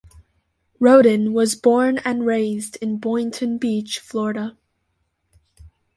Rhoden was born and raised in Boynton Beach, Florida.